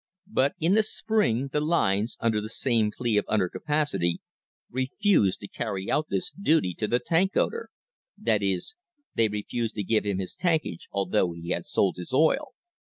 But in the spring the lines, under the same plea of under capacity, refused to carry out this duty to the tank owner; that is, they refused to give him his tankage, although he had sold his oil.